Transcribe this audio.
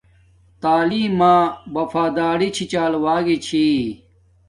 تعیلم ما وفاداری چھی چال وگی چھی